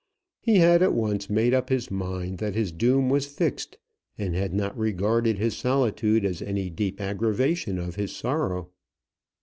He had at once made up his mind that his doom was fixed, and had not regarded his solitude as any deep aggravation of his sorrow.